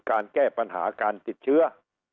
การแก้ปัญหาการติดเชื้อ